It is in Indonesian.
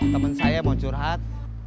temen saya mau curhat